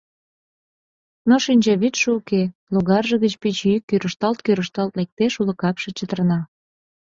Но шинчавӱдшӧ уке, логарже гыч пич йӱк кӱрышталт-кӱрышталт лектеш, уло капше чытырна.